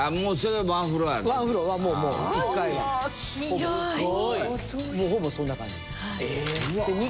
もうほぼそんな感じ。